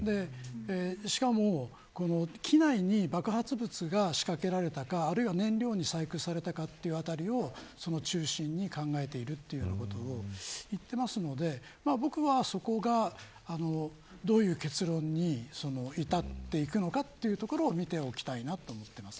しかも、機内に爆発物が仕掛けられたかあるいは燃料に細工されたかというあたりを中心に考えているというようなことを言ってますので僕はそこがどういう結論に至っていくのかというところを見ておきたいと思います。